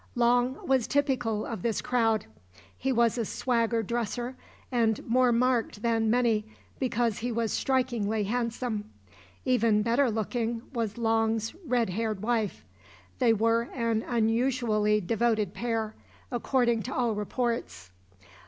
Long was typical of this crowd. He was a swagger dresser and more marked than many because he was strikingly handsome. Even better looking was Long's red haired wife. They were an unusually devoted pair according to all reports.